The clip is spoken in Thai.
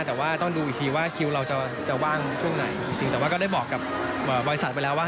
แต่ว่าต้องดูอีกทีว่าคิวเราจะว่างช่วงไหนจริงแต่ว่าก็ได้บอกกับบริษัทไปแล้วว่า